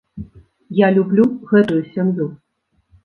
Я люблю гэтую сям'ю.